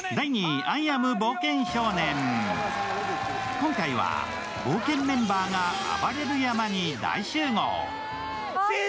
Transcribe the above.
今回は冒険メンバーがあばれる山に大集合。